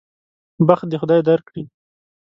بخت دې خدای درکړي.